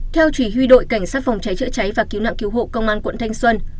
theo chỉ huy đội cảnh sát phòng cháy chữa cháy và cứu nạn cứu hộ công an quận thanh xuân